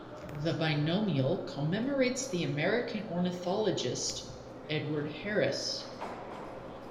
The binomial commemorates the American ornithologist Edward Harris.